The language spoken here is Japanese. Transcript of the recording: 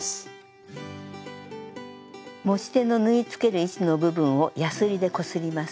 持ち手の縫いつける位置の部分をやすりでこすります。